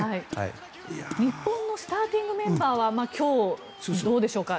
日本のスターティングメンバーは今日どうでしょうか。